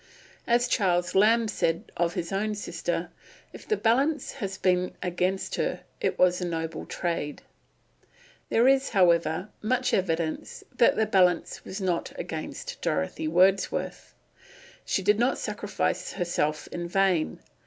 As Charles Lamb said of his own sister, "If the balance has been against her, it was a noble trade." There is, however, much evidence that the balance was not against Dorothy Wordsworth. She did not sacrifice herself in vain.